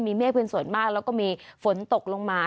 มีเมฆเป็นส่วนมากแล้วก็มีฝนตกลงมา